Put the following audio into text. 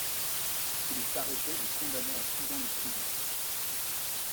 Il est arrêté et condamné à six ans de prison.